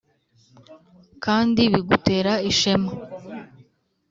kandi bigutera ishema,